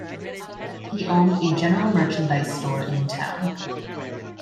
He owned a general merchandise store in town.